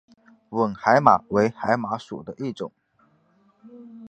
吻海马为海马属的一种。